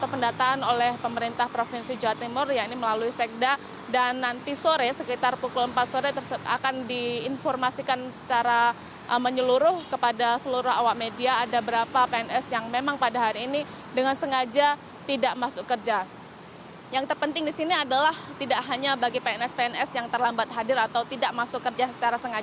pemprof jawa timur